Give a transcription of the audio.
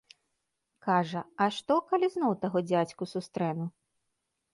Кажа, а што, калі зноў таго дзядзьку сустрэну?